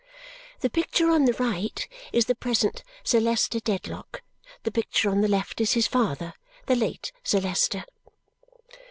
"The picture on the right is the present Sir Leicester Dedlock. The picture on the left is his father, the late Sir Leicester."